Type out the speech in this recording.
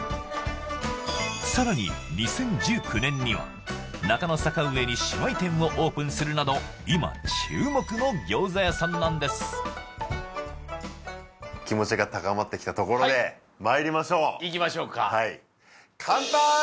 さらに２０１９年には中野坂上に姉妹店をオープンするなど今注目の餃子屋さんなんですまいりましょういきましょうかかんぱーい！